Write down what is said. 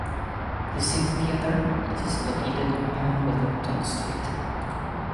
Lyceum Theatre is located on Wellington Street.